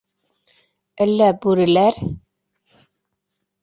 Әллә бүреләр...